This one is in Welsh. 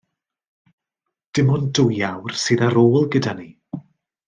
Dim ond dwy awr sydd ar ôl gyda ni.